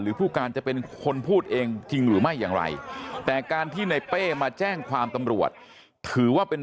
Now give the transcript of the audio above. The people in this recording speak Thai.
ผู้การจะเป็นคนพูดเองจริงหรือไม่อย่างไรแต่การที่ในเป้มาแจ้งความตำรวจถือว่าเป็น